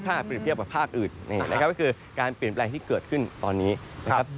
ถ้าเปรียบเทียบกับภาคอื่นนี่นะครับก็คือการเปลี่ยนแปลงที่เกิดขึ้นตอนนี้นะครับ